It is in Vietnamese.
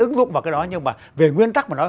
ứng dụng vào cái đó nhưng mà về nguyên tắc mà nói